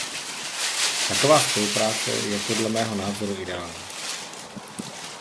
Taková spolupráce je podle mého názoru ideální.